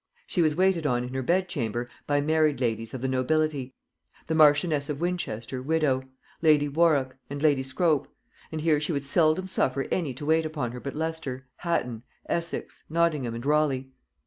She was waited on in her bed chamber by married ladies of the nobility; the marchioness of Winchester widow, lady Warwick, and lady Scrope; and here she would seldom suffer any to wait upon her but Leicester, Hatton, Essex, Nottingham, and Raleigh....